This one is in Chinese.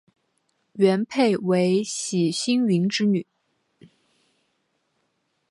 元配为冼兴云之女。